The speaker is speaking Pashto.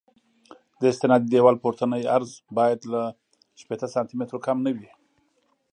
د استنادي دیوال پورتنی عرض باید له شپېته سانتي مترو کم نه وي